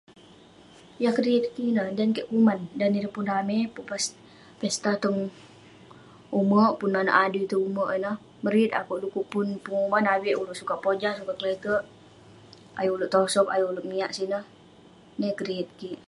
Yah keriyet kik ineh dan keik kuman, dan ireh pun ramey pun pesta tong umerk..pun manouk adui tong umerk ineh..meriyet akouk du'kuk pun penguman avik ulouk sukat pojah, sukat kle'terk ayuk ulouk tosog ayuk ulouk miak sineh..ineh yah keriyet kik..